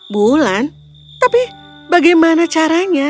bulan tapi bagaimana caranya